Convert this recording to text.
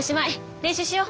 練習しよう！